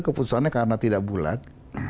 keputusannya karena tidak bulat